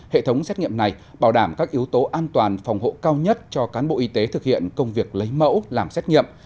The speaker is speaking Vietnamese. hệ thống xét nghiệm này bảo đảm các yếu tố an toàn phòng hộ cao nhất cho cán bộ y tế thực hiện công việc lấy mẫu làm xét nghiệm